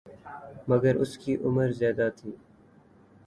مگر اس کی عمر زیادہ تھی